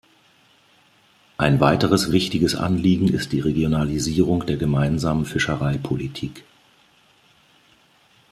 Ein weiteres wichtiges Anliegen ist die Regionalisierung der gemeinsamen Fischereipolitik.